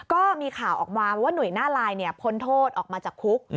ก็มีข่าวออกมาว่าหนุ่ยหน้าลายพ้นโทษออกมาจากคุก